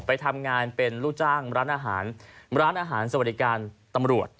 ไปทำงานเป็นลูกจ้างร้านอาหารสวัสดีการตำรวจ